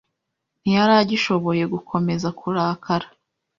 Ntiyari agishoboye gukomeza kurakara.